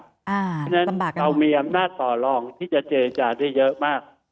เพราะฉะนั้นเรามีอำนาจต่อรองที่จะเจรจาได้เยอะมาก